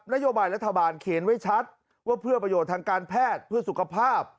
นโยบายรัฐบาลเขียนไว้ชัดว่าเพื่อประโยชน์ทางการแพทย์เพื่อสุขภาพ